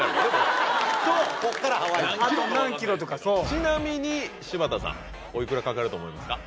ちなみに柴田さんおいくらかかると思いますか？